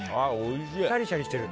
シャリシャリしてる。